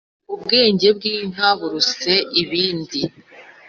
ubwenge bw'inka buruse ibindi.